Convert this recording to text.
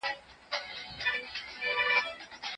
که میندې یو بل ته دعا وکړي نو قبولیت به نه وي لرې.